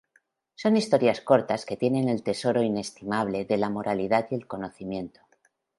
Son historias cortas que tienen el tesoro inestimable de la moralidad y el conocimiento.